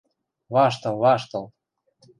– Ваштыл, ваштыл.